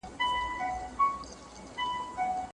د سرچینو ناسم مدیریت د پرمختګ مخه نیسي.